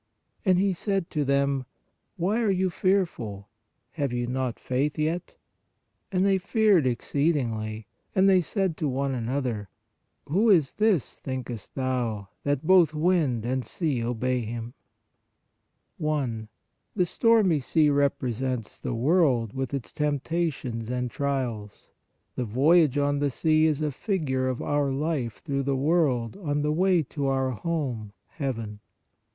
And He said to them: Why are you fearful? Have you not faith yet? And they feared exceedingly; and they said to one another: Who is this (thinkest thou) that both wind and sea obey Him ?" THE STORM 79 1. The stormy sea represents the world with its temptations and trials. The voyage on the sea is a figure of our life through the world on the way to our home, heaven.